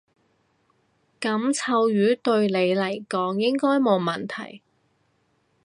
噉臭魚對你嚟講應該冇問題